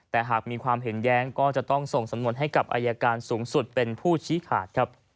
แต่หากมีความเห็นแย้งก็จะต้องส่งสำนวนให้กับอายการสูงสุดเป็นผู้ชี้ขาดครับ